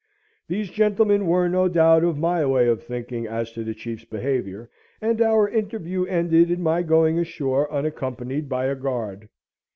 These gentlemen were no doubt of my way of thinking as to the chief's behaviour, and our interview ended in my going ashore unaccompanied by a guard.